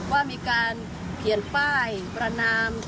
ว่ามีการเขียนป้ายประนาม